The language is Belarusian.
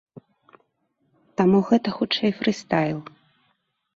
Таму гэта, хутчэй, фрыстайл.